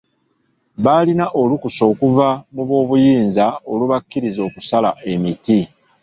Baalina olukusa okuva mu b'obuyinza olubakkiriza okusala emiti.